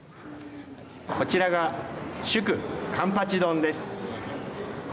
こちらが、祝冠八丼です。